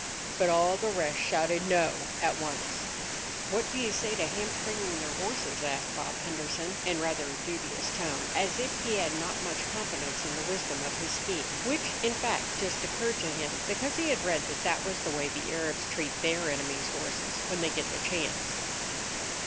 But all the rest shouted "No" at once. "What do you say to ham stringing their horses?" asked Bob Henderson, in rather a dubious tone, as if he had not much confidence in the wisdom of his scheme, which, in fact, just occurred to him because he had read that that was the way the Arabs treat their enemies' horses when they get the chance.